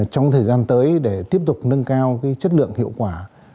trong thời gian tới để tiếp tục nâng cao chất lượng hiệu quả